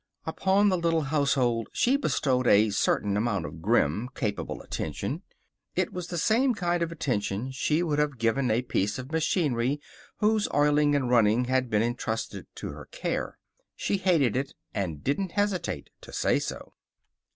Upon the little household she bestowed a certain amount of grim, capable attention. It was the same kind of attention she would have given a piece of machinery whose oiling and running had been entrusted to her care. She hated it, and didn't hesitate to say so.